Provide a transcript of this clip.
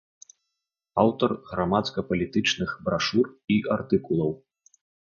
Аўтар грамадска-палітычных брашур і артыкулаў.